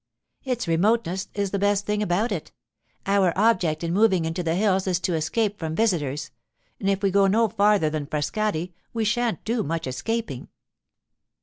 'Its remoteness is the best thing about it. Our object in moving into the hills is to escape from visitors, and if we go no farther than Frascati we shan't do much escaping.